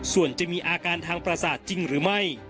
ส่วนจะมีอาการทางประสาทจริงหรือไม่